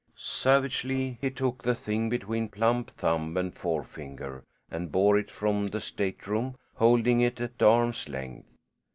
Savagely he took the thing between plump thumb and forefinger and bore it from the stateroom, holding it at arm's length.